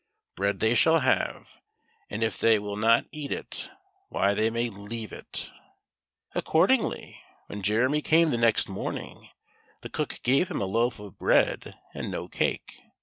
Bread they shall have, and if they will not eat it — why they may leave it." Accordingly, when Jeremy came the next morning the cook gave him a loaf of bread and no cake.